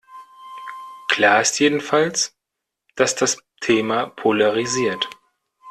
Klar ist jedenfalls, dass das Thema polarisiert.